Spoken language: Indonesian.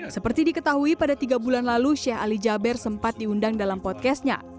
seperti diketahui pada tiga bulan lalu sheikh ali jaber sempat diundang dalam podcastnya